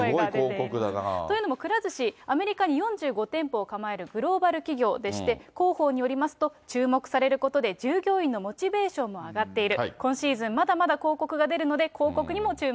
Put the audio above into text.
すごい広告だな。というのもくら寿司、アメリカに４５店舗を構えるグローバル企業でして、広報によりますと、注目されることで、従業員のモチベーションも上がっている。